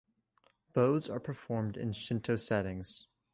Bows are performed in Shinto settings.